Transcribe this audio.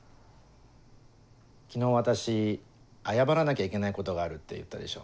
昨日私謝らなきゃいけないことがあるって言ったでしょ。